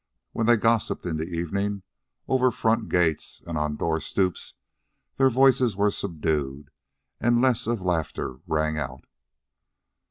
When they gossiped in the evenings, over front gates and on door stoops, their voices were subdued and less of laughter rang out.